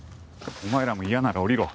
お前らも嫌なら降りろ。